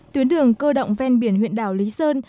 tuyến đường cơ động ven biển huyện đảo lý sơn